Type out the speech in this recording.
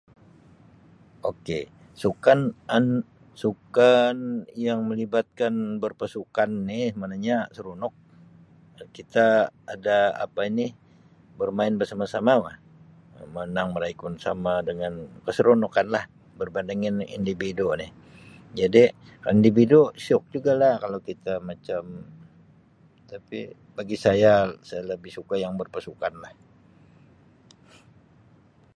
Okay, sukan-an-sukan yang melibatkan berpasukan ini maknanya seronok kita ada apa ini bermain bersama-sama wah, menang meraikon sama dengan keseronokan lah berbandingin individu ini. jadi kalau individu siok juga lah kalau kita macam tapi bagi saya, saya lebih suka yang berpasukan lah.